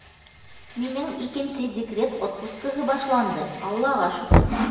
Минең икенсе декрет отпускыһы башланды, аллаға шөкөр.